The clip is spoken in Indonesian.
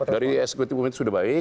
dari eksekutif komite sudah baik